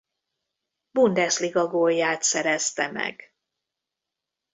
Bundesliga-gólját szerezte meg.